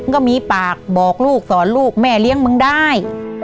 ก็มีปากบอกลูกสอนลูกแม่เลี้ยงมึงได้